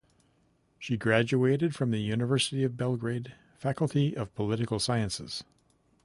She graduated from the University of Belgrade Faculty of Political Sciences.